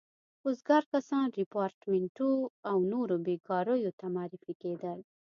وزګار کسان ریپارټیمنټو او نورو بېګاریو ته معرفي کېدل.